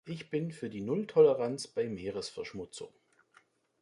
Ich bin für die Nulltoleranz bei Meeresverschmutzung.